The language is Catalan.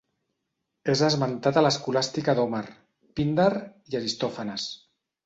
És esmentat a l'Escolàstica d'Homer, Píndar i Aristòfanes.